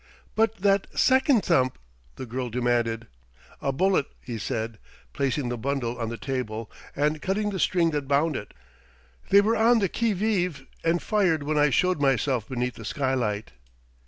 "But that second thump ?" the girl demanded. "A bullet," he said, placing the bundle on the table and cutting the string that bound it: "they were on the quivive and fired when I showed myself beneath the skylight."